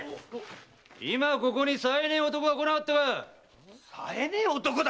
今ここにさえねえ男が来なかったか⁉さえねえ男だと？